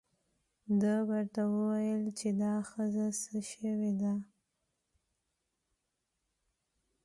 ده ورته وویل چې دا ښځه څه شوې ده.